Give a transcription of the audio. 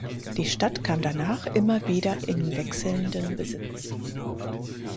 Die Stadt kam danach immer wieder in wechselnden Besitz.